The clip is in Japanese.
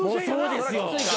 そうですよ。